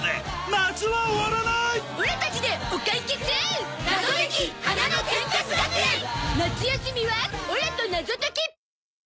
夏休みはオラと謎解き！